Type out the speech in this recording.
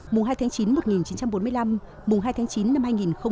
mùng hai tháng chín một nghìn chín trăm bốn mươi năm mùng hai tháng chín năm hai nghìn hai mươi